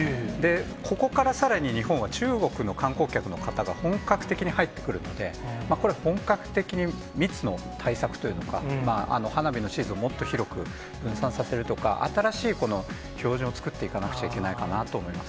ここからさらに日本は、中国の観光客の方が本格的に入ってくるので、これ、本格的に密の対策というのか、花火のシーズンをもっと広く分散させるとか、新しい標準を作っていかなくちゃいけないかなと思いますね。